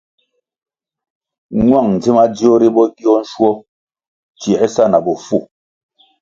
Ñwang dzi madzio ri bo gio nshuo tsiē sa na bofu.